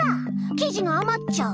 生地があまっちゃう。